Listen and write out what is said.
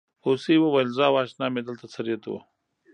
هوسۍ وویل زه او اشنا مې دلته څریدو.